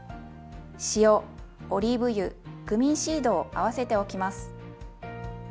塩オリーブ油クミンシードを合わせておきます。